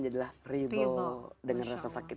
adalah ridon dengan rasa sakit